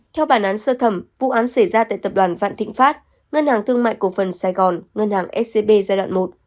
theo bản án sơ thẩm vụ án xảy ra tại tập đoàn vạn thịnh pháp ngân hàng thương mại cổ phần sài gòn ngân hàng scb giai đoạn một